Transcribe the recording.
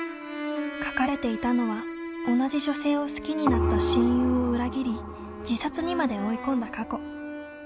書かれていたのは同じ女性を好きになった親友を裏切り自殺にまで追い込んだ過去。